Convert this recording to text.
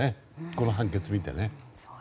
この判決を見て。